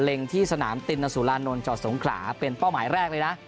ที่สนามตินสุรานนท์จอดสงขลาเป็นเป้าหมายแรกเลยนะ